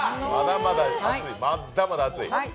まだまだ熱い。